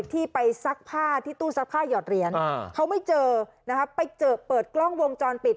ที่ไปซักผ้าที่ตู้ซักผ้าหยอดเหรียญเขาไม่เจอนะคะไปเจอเปิดกล้องวงจรปิด